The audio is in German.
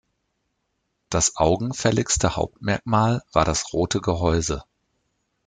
Das augenfälligste Hauptmerkmal war das rote Gehäuse.